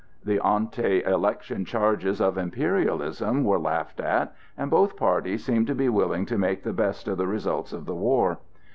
The ante election charges of imperialism were laughed at, and both parties seemed to be willing to make the best of the results of the war.